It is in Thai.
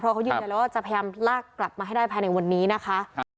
เพราะเขายืนยันแล้วว่าจะพยายามลากกลับมาให้ได้ภายในวันนี้นะคะ